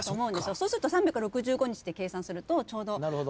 そうすると３６５日で計算するとちょうどこれかなと。